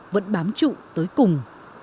vẫn bám trụ tới cùng